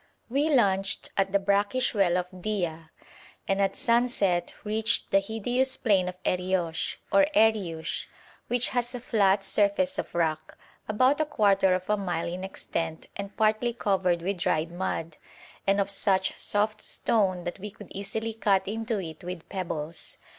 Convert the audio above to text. We lunched at the brackish well of Dia, and at sunset reached the hideous plain of Eriosh, or Eriush, which has a flat surface of rock, about a quarter of a mile in extent and partly covered with dried mud, and of such soft stone that we could easily cut into it with pebbles.